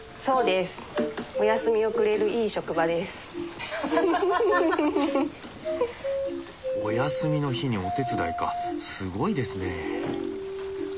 すごいですね。